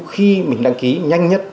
khi mình đăng ký nhanh nhất